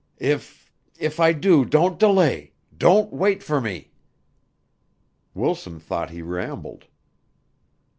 If if I do, don't delay don't wait for me." Wilson thought he rambled.